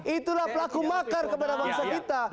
itulah pelaku makar kepada bangsa kita